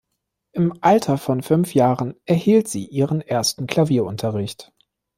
Im Alter von fünf Jahren erhielt sie ihren ersten Klavierunterricht.